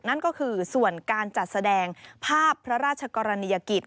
นั่นก็คือส่วนการจัดแสดงภาพพระราชกรณียกิจ